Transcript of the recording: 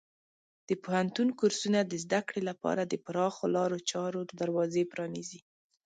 د پوهنتون کورسونه د زده کړې لپاره د پراخو لارو چارو دروازه پرانیزي.